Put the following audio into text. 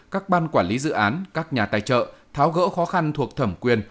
các ban quản lý dự án các nhà tài trợ tháo gỡ khó khăn thuộc thẩm quyền